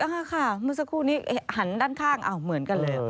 ค่ะเมื่อสักครู่นี้หันด้านข้างเหมือนกันเลย